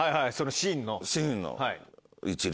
シーンの。